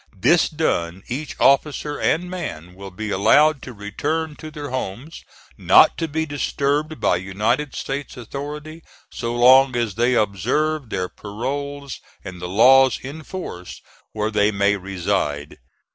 This done, each officer and man will be allowed to return to their homes, not to be disturbed by United States authority so long as they observe their paroles and the laws in force where they may reside.